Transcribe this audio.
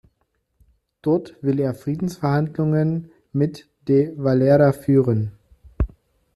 Dort will er Friedensverhandlungen mit de Valera führen.